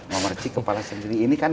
memercik kepala sendiri ini kan